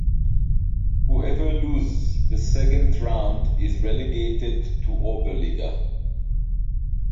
Whoever loses the second round is relegated to Oberliga.